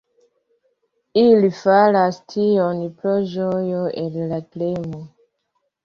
Ili faras tion pro ĝojo el la kreemo.